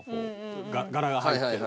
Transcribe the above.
柄が入ってる。